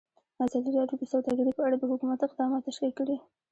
ازادي راډیو د سوداګري په اړه د حکومت اقدامات تشریح کړي.